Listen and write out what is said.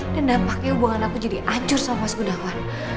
dan dampaknya hubungan aku jadi ancur sama mas gundawan